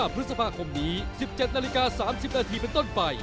พฤษภาคมนี้๑๗นาฬิกา๓๐นาทีเป็นต้นไป